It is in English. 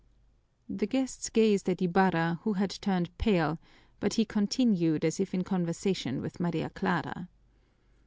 The guests gazed at Ibarra, who had turned pale, but he continued as if in conversation with Maria Clara.